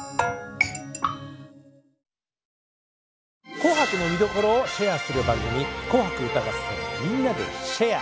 「紅白」の見どころをシェアする番組「紅白歌合戦＃みんなでシェア！」。